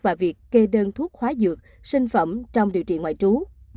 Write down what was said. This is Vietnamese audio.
và việc kê đơn thuốc hóa dược sinh phẩm trong điều trị ngoại trú